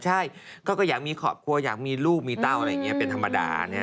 ใช่ก็อยากมีครอบครัวอยากมีลูกมีเต้าอะไรอย่างนี้เป็นธรรมดา